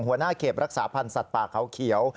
หัวหน้าเขตรักษาพันธ์สัตว์ป่าเขาเขียว